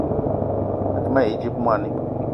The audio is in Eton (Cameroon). A te ma yi dzip moni